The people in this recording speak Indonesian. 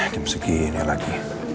jam segini lagi